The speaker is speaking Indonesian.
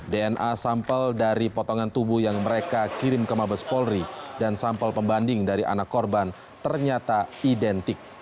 dna sampel dari potongan tubuh yang mereka kirim ke mabes polri dan sampel pembanding dari anak korban ternyata identik